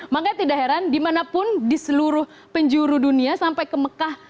makanya tidak heran dimanapun di seluruh penjuru dunia sampai ke mekah